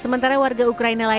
sementara warga ukraina